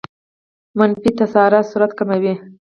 منفي تسارع سرعت کموي.